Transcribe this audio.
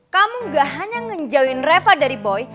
kamu gak hanya ngenjauin reva dari boy